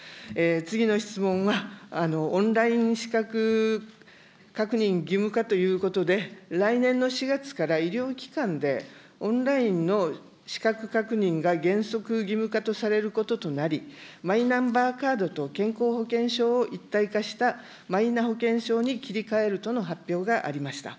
次の質問は、オンライン資格確認義務化ということで、来年の４月から医療機関でオンラインの資格確認が原則義務化とされることとなり、マイナンバーカードと健康保険証を一体化したマイナ保険証に切り替えるとの発表がありました。